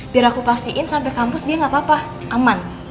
biar aku pastiin sampai kampus dia nggak apa apa aman